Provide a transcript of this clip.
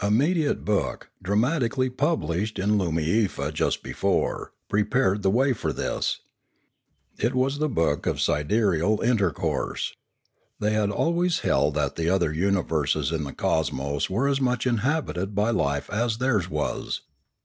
A mediate book, dramatically published in Loomiefa just before, prepared the way for this. It was the book of Sidereal Intercourse. They had always held that the other universes in the cosmos were as much inhabited by life as theirs was.